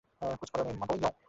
কুছ পরোয়া নেই, মাভৈঃ।